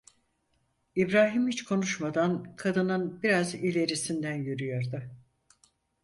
İbrahim hiç konuşmadan, kadının biraz ilerisinden yürüyordu.